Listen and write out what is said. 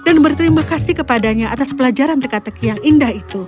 dan berterima kasih kepada dia atas pelajaran teka teki yang indah itu